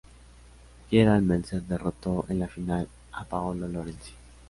Gerald Melzer derrotó en la final a Paolo Lorenzi.